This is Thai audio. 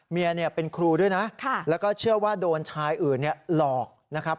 เมียเป็นครูด้วยนะแล้วก็เชื่อว่าโดนชายอื่นหลอกนะครับ